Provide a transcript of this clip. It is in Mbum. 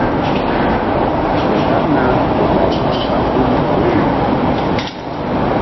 Gel kaɓna ke ɓay ɓa hul wu̧y.